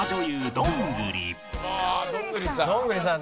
「どんぐりさんね」